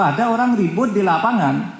ada orang ribut di lapangan